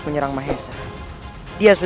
dan menangkap kake guru